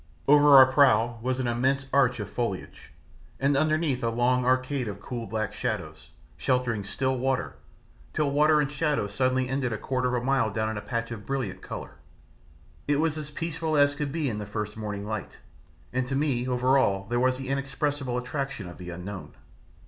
Over our prow was an immense arch of foliage, and underneath a long arcade of cool black shadows, sheltering still water, till water and shadow suddenly ended a quarter of a mile down in a patch of brilliant colour. It was as peaceful as could be in the first morning light, and to me over all there was the inexpressible attraction of the unknown.